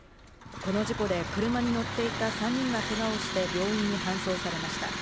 この事故で車に乗っていた３人がけがをして病院に搬送されました。